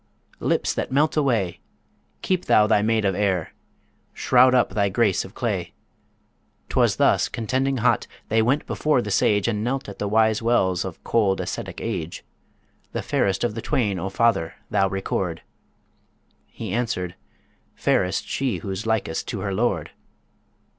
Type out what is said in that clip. lips that melt away!' 'Keep thou thy Maid of air!' 'Shroud up thy Grace of clay!' 'Twas thus, contending hot, they went before the Sage, And knelt at the wise wells of cold ascetic age. 'The fairest of the twain, O father, thou record': He answered, 'Fairest she who's likest to her lord.'